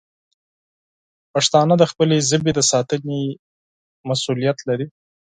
پښتانه د خپلې ژبې د ساتنې مسوولیت لري.